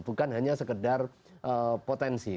bukan hanya sekedar potensi